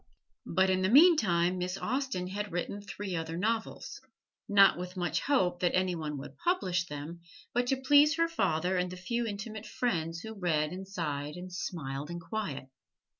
But in the meantime Miss Austen had written three other novels not with much hope that any one would publish them, but to please her father and the few intimate friends who read and sighed and smiled in quiet.